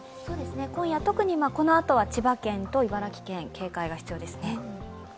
今夜特にこのあとは千葉県と茨城県、警戒が必要ですね。